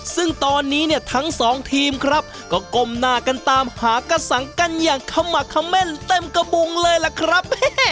ซึ่งตอนนี้เนี่ยทั้งสองทีมครับก็ก้มหน้ากันตามหากระสังกันอย่างขมักเขม่นเต็มกระบุงเลยล่ะครับ